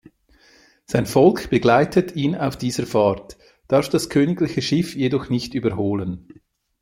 Sein Volk begleitet ihn auf dieser Fahrt, darf das königliche Schiff jedoch nicht überholen.